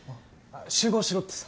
集合しろってさ。